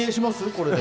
これで。